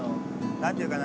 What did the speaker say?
何て言うかな？